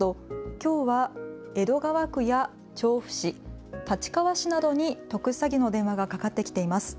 きょうは江戸川区や調布市、立川市などに特殊詐欺の電話がかかってきています。